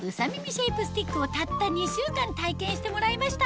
シェイプスティックをたった２週間体験してもらいました